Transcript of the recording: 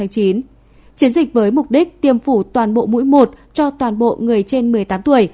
chiến dịch với mục đích tiêm phủ toàn bộ mũi một cho toàn bộ người trên một mươi tám tuổi